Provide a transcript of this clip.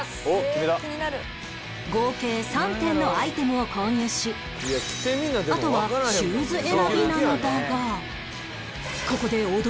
合計３点のアイテムを購入しあとはシューズ選びなのだが